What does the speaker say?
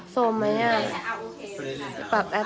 พ่อสดใช่ไหมนะ